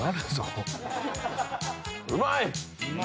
うまい！